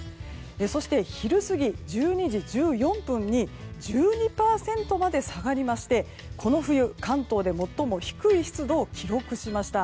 そして、昼過ぎ１２時１４分に１２％まで下がりましてこの冬、関東で最も低い湿度を記録しました。